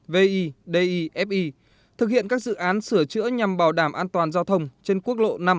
v i d i f i thực hiện các dự án sửa chữa nhằm bảo đảm an toàn giao thông trên quốc lộ năm